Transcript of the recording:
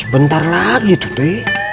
sebentar lagi tuti